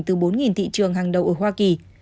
từ bốn thị trường hàng đầu ở hoa kỳ